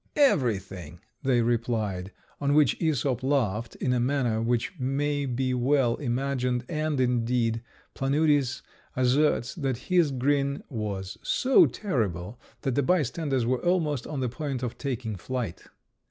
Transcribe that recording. "Everything," they replied; on which Æsop laughed in a manner which may be well imagined, and, indeed, Planudes asserts that his grin was so terrible that the bystanders were almost on the point of taking flight.